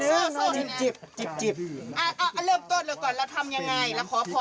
เอาทำอย่างไรขอพรอย่างไร